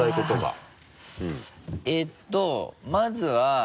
えっとまずは。